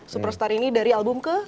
superstar ini dari album ke